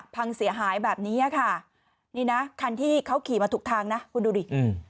พังเสียหายแบบนี้ค่ะนี่นะคันที่เขาขี่มาถูกทางนะคุณดูดิอืม